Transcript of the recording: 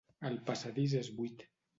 El passadís és buit.